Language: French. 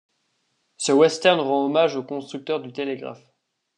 Ce western rend hommage aux constructeurs du télégraphe.